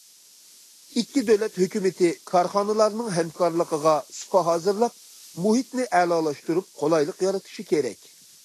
ئىككى دۆلەت ھۆكۈمىتى كارخانىلارنىڭ ھەمكارلىقىغا سۇپا ھازىرلاپ، مۇھىتنى ئەلالاشتۇرۇپ، قولايلىق يارىتىشى كېرەك.